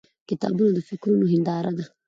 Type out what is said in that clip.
• کتابونه د فکرونو هنداره ده.